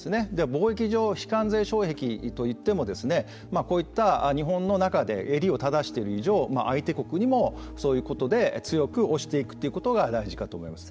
貿易上非関税障壁といってもこういった日本の中で襟を正している以上相手国にもそういうことで強く押していくということが大事かと思います。